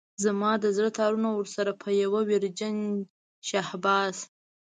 زما د زړه تارونه ورسره په يوه ويرجن شهباز.